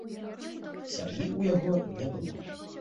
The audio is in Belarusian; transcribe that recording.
Сям'і ў яго не было.